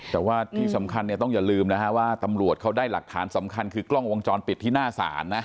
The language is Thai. แต่ว่าที่สำคัญเนี่ยต้องอย่าลืมนะฮะว่าตำรวจเขาได้หลักฐานสำคัญคือกล้องวงจรปิดที่หน้าศาลนะ